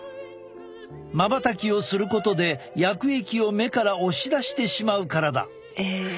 まばたきをすることで薬液を目から押し出てしまうからだ。